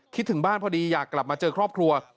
ถึงบ้านพอดีอยากกลับมาเจอครอบครัว